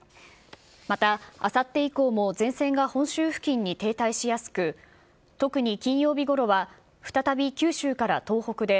またあさって以降も前線が本州付近に停滞しやすく、特に金曜日ごろは再び九州から東北で、